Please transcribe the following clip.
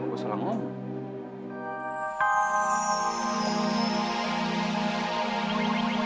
mau gue salam om